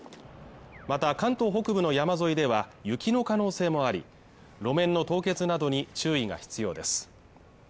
また関東北部の山沿いでは雪の可能性もあり路面の凍結などに注意が必要です